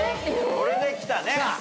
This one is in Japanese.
これで来たね。